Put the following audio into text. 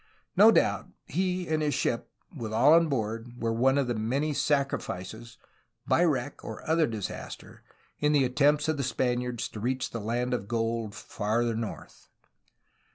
No doubt he and his ship, with all on board, were one of the many sacrifices, by wreck or other disaster, in the attempts of the Spaniards to reach the land of gold —' 'far ther north."